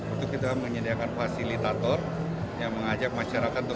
untuk kita menyediakan fasilitator yang mengajak masyarakat